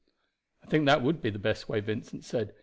"I think that would be the best way," Vincent said.